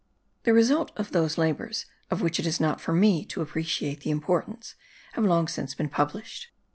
The result of those labours of which it is not for me to appreciate the importance have long since been published.